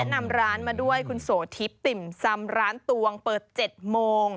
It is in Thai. นำร้านมาด้วยคุณโสทิพย์ติ่มซำร้านตวงเปิด๗โมง